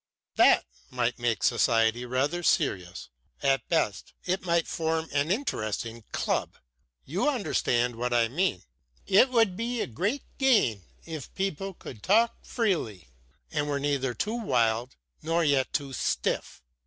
"That might make society rather serious. At best, it might form an interesting club. You understand what I mean: it would be a great gain, if people could talk freely, and were neither too wild nor yet too stiff.